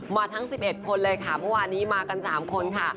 มาทั้ง๑๑คนเลยค่ะเมื่อวานนี้มากัน๓คนค่ะ